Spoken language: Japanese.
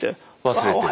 忘れてる。